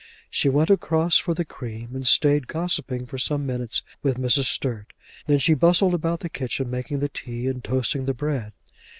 She went across for the cream, and stayed gossiping for some few minutes with Mrs. Sturt. Then she bustled about the kitchen making the tea and toasting the bread.